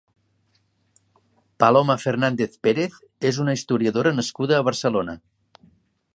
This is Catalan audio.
Paloma Fernández Pérez és una historiadora nascuda a Barcelona.